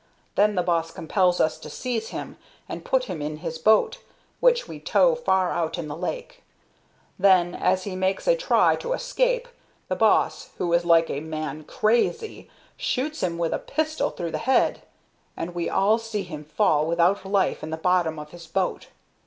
Then the boss compels us to seize him and put him in his boat, which we tow far out in the lake. Then, as he makes a try to escape, the boss, who is like a man crazy, shoots him with a pistol through the head, and we all see him fall without life in the bottom of his boat.